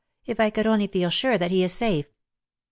If I could only feel sure that he is safe."